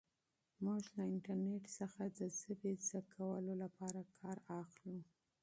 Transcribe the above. موږ له انټرنیټ څخه د ژبې زده کولو لپاره کار اخلو.